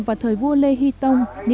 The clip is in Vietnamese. vào thời vua lê hy tông